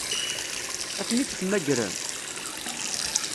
Ad ten-id-temmagremt?